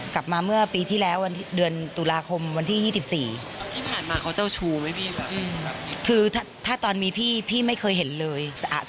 คือถ้าตอนมีพี่พี่ไม่เคยเห็นเลย